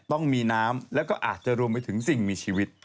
ต้องมีน้ำแล้วก็อาจจะรวมไปถึงสิ่งมีชีวิต